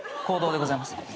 公道でございます。